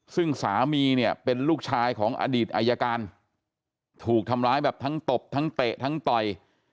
ซึ่งสามีเนี่ยเป็นลูกชายของอดีตอายการถูกทำร้ายแบบทั้งตบทั้งเตะทั้งต่อย